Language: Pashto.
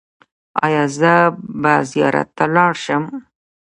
ایا زه به زیارت ته لاړ شم؟